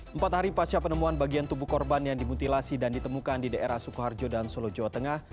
empat hari pasca penemuan bagian tubuh korban yang dimutilasi dan ditemukan di daerah sukoharjo dan solo jawa tengah